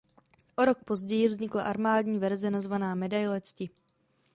O rok později vznikla armádní verze nazvaná Medaile cti.